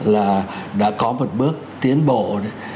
là đã có một bước tiến bộ đấy